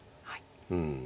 うん。